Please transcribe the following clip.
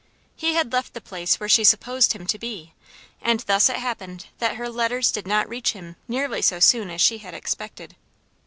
He had left the place where she supposed him to be, and thus it happened that her letters did not reach him nearly so soon as she had expected.